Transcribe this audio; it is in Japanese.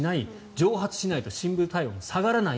蒸発しないと深部体温が下がらない。